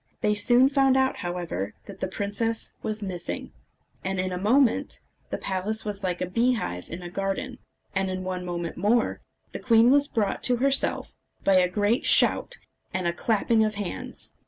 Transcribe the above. They soon found out, however, that the princess was missing, and in a moment the palace was like a beehive in a garden; and in one minute more the queen was brought to herself by a great shout and a clapping of hands.